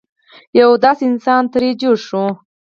یو داسې انسان ترې جوړ شي.